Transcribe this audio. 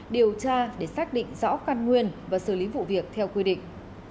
điều tra để xác định rõ căn nguyên và xử lý vụ việc theo quy định